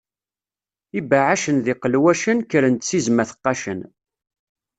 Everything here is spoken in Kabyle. Ibeɛɛacen d iqelwacen, kkren-d s izem ad t-qqacen.